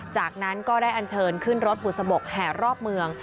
จากนั้นก็ได้อันเชิญขึ้นรถบุษบกแห่รอบเมือง